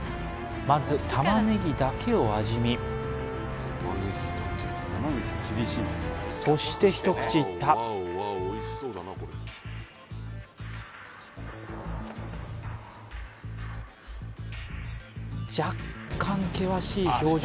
まず玉ネギだけを味見そして一口いった若干険しい表情